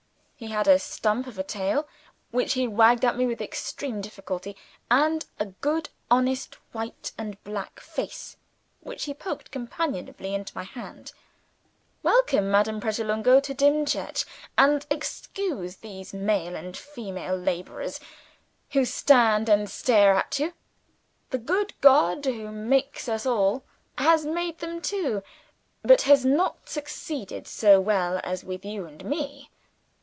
He had a stump of a tail, which he wagged at me with extreme difficulty, and a good honest white and black face which he poked companionably into my hand. "Welcome, Madame Pratolungo, to Dimchurch; and excuse these male and female laborers who stand and stare at you. The good God who makes us all has made them too, but has not succeeded so well as with you and me."